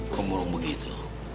kok murung begitu